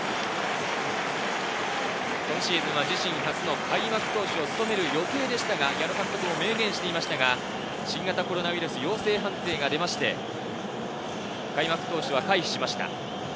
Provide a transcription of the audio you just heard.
今シーズンは自身初の開幕投手を務める予定でしたが、矢野監督も明言していましたが、新型コロナウイルス陽性判定が出て、開幕投手は回避しました。